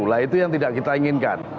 nah itu yang tidak kita inginkan